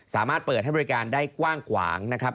สามารถเปิดให้บริการได้กว้างขวางนะครับ